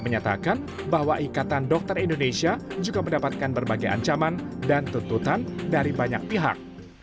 menyatakan bahwa ikatan dokter indonesia juga mendapatkan berbagai ancaman dan tuntutan dari banyak pihak